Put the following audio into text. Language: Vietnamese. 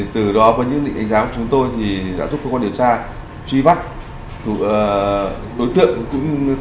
từ đó với những định ánh giá của chúng tôi đã giúp cơ quan điều tra truy bắt đối tượng tìm được thủ tích nạn nhân nhanh nhất